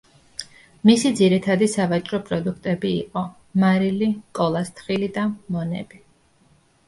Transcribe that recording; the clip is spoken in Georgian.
მისი ძირითადი სავაჭრო პროდუქტები იყო: მარილი, კოლას თხილი და მონები.